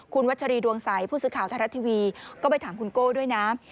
คุณวัชรีดวงใสผู้สื่อข่าวไทยรัฐทีวีก็ไปถามคุณโก้ด้วยนะ